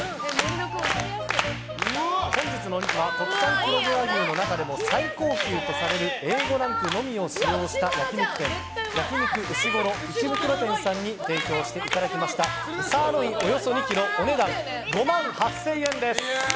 本日のお肉は国産黒毛和牛の中でも最高級とされるＡ５ランクのみを使用した焼き肉店焼肉うしごろ池袋店さんに提供していただきましたサーロイン、およそ２ｋｇお値段５万８０００円です。